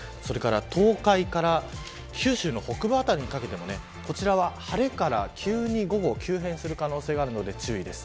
東海から九州の北部辺りにかけても晴れから急に急変する可能性があるので注意です。